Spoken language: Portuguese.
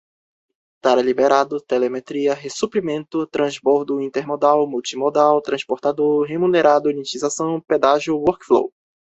tara liberado telemetria ressuprimento transbordo intermodal multimodal transportador remunerado unitização pedágio workflow